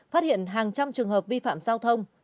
phát hiện hàng trăm trường hợp vi phạm giao thông